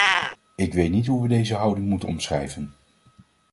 Ik weet niet hoe we deze houding moeten omschrijven.